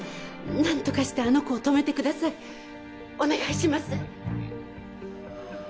何とかしてあの子を止めてくださいお願いします。